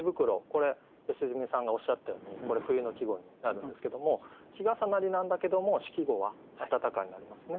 これ良純さんがおっしゃったようにこれ冬の季語になるんですけども季重なりなんだけども主季語は「あたたか」になりますね。